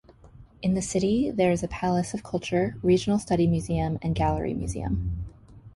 In the city, there is palace of culture, regional study museum and gallery museum.